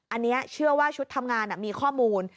อันนี้เชื่อว่าชุดทำงานมีข้อมูล